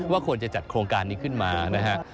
ว่าควรจะจัดโครงการนี้ขึ้นมานะครับ